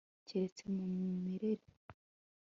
keretse mu mimerere